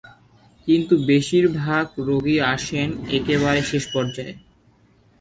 কিন্তু বেশির ভাগ রোগী আসেন একেবারে শেষ পর্যায়ে।